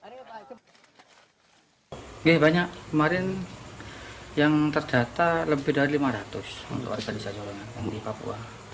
ya banyak kemarin yang terdata lebih dari lima ratus untuk asal desa jawa yang di papua